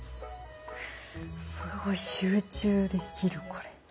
すごい集中できるこれ。